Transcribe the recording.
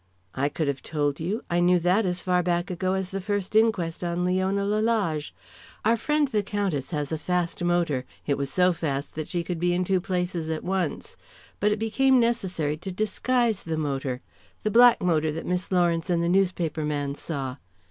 "I could have told you. I knew that as far back ago as the first inquest on Leon Lalage. Our friend the Countess has a fast motor. It was so fast that she could be in two places at once. But it became necessary to disguise the motor the black motor that Miss Lawrence and the newspaper man saw.